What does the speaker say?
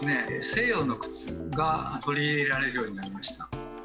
西洋の靴が取り入れられるようになりました。